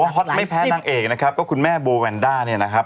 หอดไม่แพ้นางเอกคุณแม่โบวานด้าย